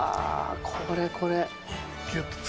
これこれ。